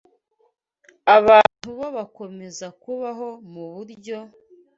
abantu bo bakomeza kubaho mu buryo